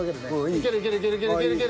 いけるいけるいける！